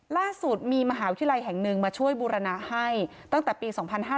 ล่าสุดมีมหาวิทยาลัยแห่งหนึ่งมาช่วยบูรณะให้ตั้งแต่ปี๒๕๕๙